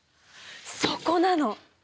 そこなの！